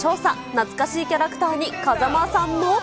懐かしいキャラクターに風間さんも。